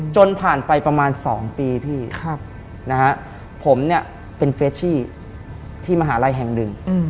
จนผ่านไปประมาณ๒ปีพี่นะฮะผมเนี่ยเป็นเฟชชี่ที่มหาลัยแห่งหนึ่ง